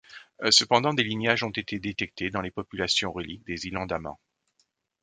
Cependant des lignages ont été détectés dans les populations reliques des Iles Andaman.